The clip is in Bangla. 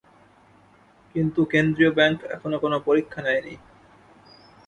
কিন্তু কেন্দ্রীয় ব্যাংক এখনো কোনো পরীক্ষা নেয়নি।